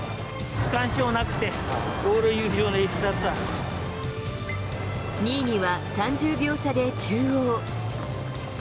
区間賞なくて、往路優勝に必２位には３０秒差で中央。